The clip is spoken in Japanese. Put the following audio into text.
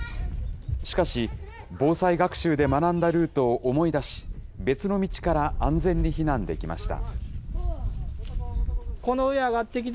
しかし、防災学習で学んだルートを思い出し、別の道から安全に避難できました。